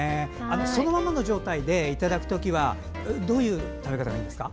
そのままの状態でいただくときはどういう食べ方がいいんですか？